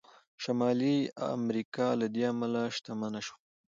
شمالي امریکا له دې امله شتمنه شوه.